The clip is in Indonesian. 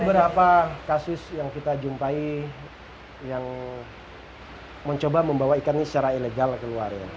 ada beberapa kasus yang kita jumpai yang mencoba membawa ikan ini secara ilegal keluar ya